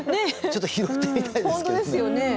ちょっと拾ってみたいですけどね。